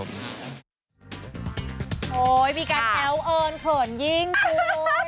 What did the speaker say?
โอ๊ยมีกันแล้วเอิญเขินยิงคุณ